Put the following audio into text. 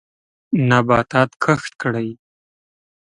نباتات کښت کړئ.